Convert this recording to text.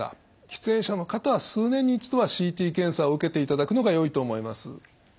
喫煙者の方は数年に一度はＣＴ検査を受けていただくのがよいと思います。